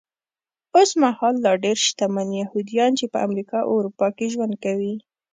اوسمهال لا ډېر شتمن یهوديان چې په امریکا او اروپا کې ژوند کوي.